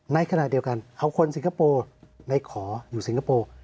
ในขณะเดียวกันเอาคนสิงคโปร์ในขออยู่สิงคโปร์